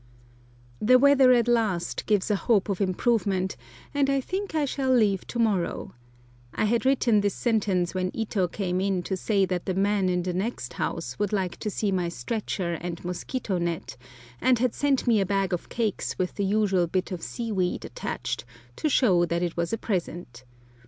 THE weather at last gives a hope of improvement, and I think I shall leave to morrow. I had written this sentence when Ito came in to say that the man in the next house would like to see my stretcher and mosquito net, and had sent me a bag of cakes with the usual bit of seaweed attached, to show that it was a present.